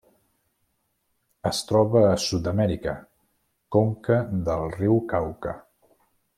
Es troba a Sud-amèrica: conca del riu Cauca.